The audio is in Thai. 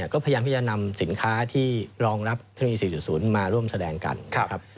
ก็พยายามที่จะนำสินค้าที่รองรับเทคโนโลยี๔๐มาร่วมแสดงกันนะครับ